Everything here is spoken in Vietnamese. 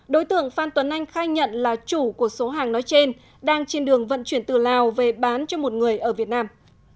đối tượng phan tuấn anh khai nhận là chủ của số hàng nói trên đang trên đường vận chuyển từ lào về bán cho một người ở việt nam